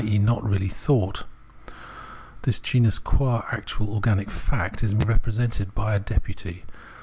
e. not really thought. This genus qua actual organic fact, is merely represented by a deputy.